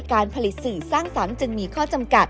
การผลิตสื่อสร้างสรรค์จึงมีข้อจำกัด